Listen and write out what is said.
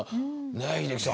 ねえ英樹さん